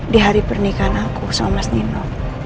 di hari pernikahan aku sama mas nino